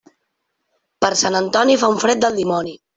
Per Sant Antoni fa un fred del dimoni.